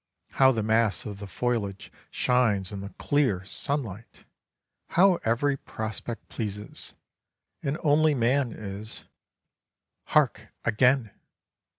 How the mass of the foliage shines in the clear sunlight! How every prospect pleases, and only man is hark, again!